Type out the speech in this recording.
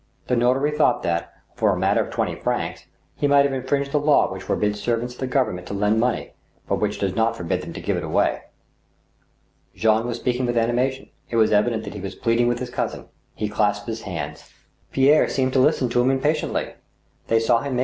The notary thought that, for a matter of twenty francs, he might have infringed the law which forbids servants of the Government to lend money, but which does not forbid them to give it away. Jean was speaking with animation. It was evident that he was pleading with his cousin. He clasped his hands. Pierre seemed to listen to him impatiently. They saw him make 22 THE STEEL HAMMER.